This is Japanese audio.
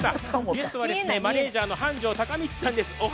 ゲストはマネージャーの繁昌孝充さんです。